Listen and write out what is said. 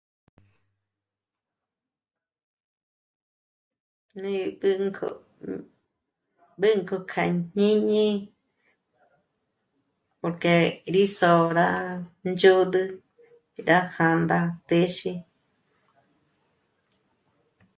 Gí bǜnk'o... bǜnk'o kja jñíni porque rí sö̌'ö rá ndzôd'ü rá jā̂ndā téxe